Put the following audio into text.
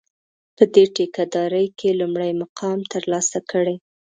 په دې ټېکه داري کې لومړی مقام ترلاسه کړي.